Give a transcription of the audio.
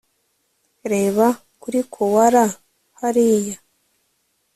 reba kuri koala hariya